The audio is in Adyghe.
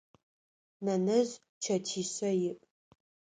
Нэнэжъ чэтишъэ иӏ.